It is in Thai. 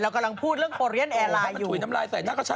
เรากำลังพูดเรื่องโปเลียนเอกลายอ่ะ